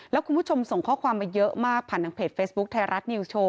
แล้วคุณผู้ชมส่งข้อความมาเยอะมากผ่านทางเพจเฟซบุ๊คไทยรัฐนิวโชว